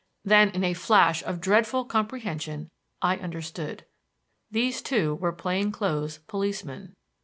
Then, in a flash of dreadful comprehension, I understood. These two were plainclothes policemen.